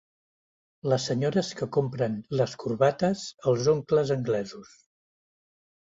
Les senyores que compren les corbates als oncles anglesos.